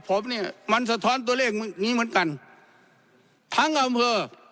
ผมเนี่ยมันสะท้อนตัวเลขนี้เหมือนกันทั้งอำเภอ